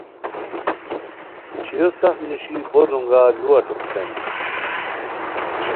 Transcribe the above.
چھویو سف نیشی بو درونگار لوا ݯوکیتانی